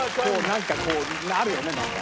なんかこうあるよねなんか。